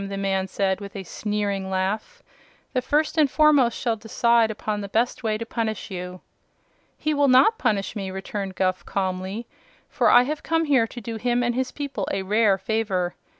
the man said, with a sneering laugh. "The First and Foremost shall decide upon the best way to punish you." "He will not punish me," returned Guph, calmly, "for I have come here to do him and his people a rare favor.